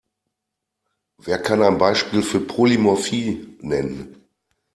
Wer kann ein Beispiel für Polymorphie nennen?